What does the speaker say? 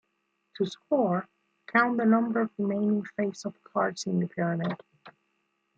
To score, count the number of remaining face up cards in the pyramid.